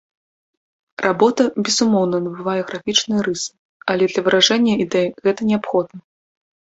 Работа, безумоўна, набывае графічныя рысы, але для выражэння ідэі гэта неабходна.